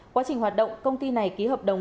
quá trình hoạt động công ty này ký hợp đồng